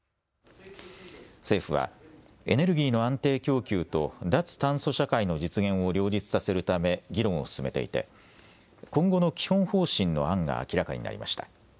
政府は、エネルギーの安定供給と脱炭素社会の実現を両立させるため議論を進めていて今後の基本方針の案が明らかになりました。